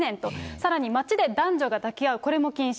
さらに街で男女が抱き合う、これも禁止。